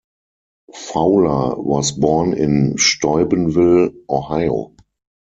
Fowler was born in Steubenville, Ohio.